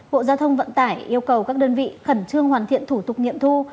bộ giao thông vận tải yêu cầu các đơn vị khẩn trương hoàn thiện thủ tục nghiệm thu